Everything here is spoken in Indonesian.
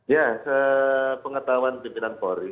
ya sepengetahuan pimpinan polri